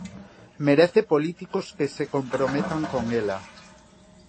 Merece políticos que se comprometan con ela.